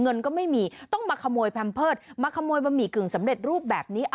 เงินก็ไม่มีต้องมาขโมยแพมเพิร์ตมาขโมยบะหมี่กึ่งสำเร็จรูปแบบนี้